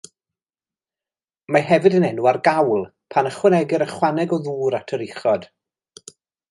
Mae hefyd yn enw ar gawl, pan ychwanegir ychwaneg o ddŵr ar yr uchod.